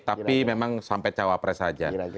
tapi memang sampai cawapres saja